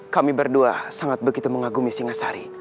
kami berdua sangat begitu mengagumi singasari